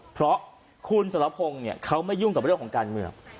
เพราะคุณสรพงศ์เขาไม่ยุ่งกับเรื่องของการเมือง